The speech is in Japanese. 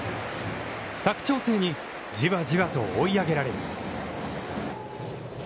佐久長聖に、じわじわと追い上げられる。